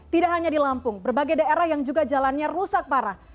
tidak hanya di lampung berbagai daerah yang juga jalannya rusak parah